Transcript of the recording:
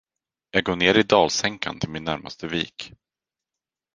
Jag går ned i dalsänkan till min närmaste vik.